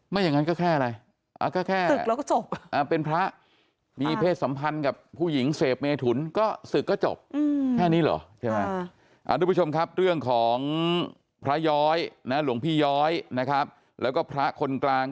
ไม่อย่างนั้นก็แค่อะไร